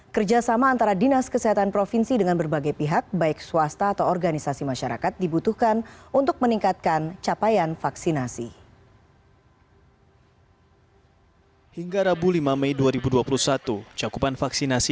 kerjasama antara dinas kesehatan provinsi dengan berbagai pihak baik swasta atau organisasi masyarakat dibutuhkan untuk meningkatkan capaian vaksinasi